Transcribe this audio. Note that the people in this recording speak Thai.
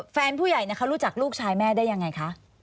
แฟนผู้ใหญ่เขารู้จักลูกชายแม่ได้ยังไงคะ